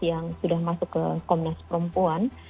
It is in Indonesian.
yang sudah masuk ke komnas perempuan